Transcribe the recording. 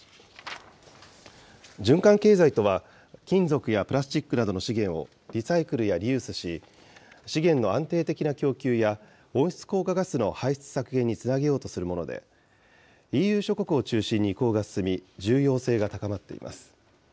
循環経済とは金属やプラスチックなどの資源を、リサイクルやリユースし、資源の安定的な供給や温室効果ガスの排出削減につなげようとするもので、ＥＵ諸国を中心に移行が進み、重要性が高まっています。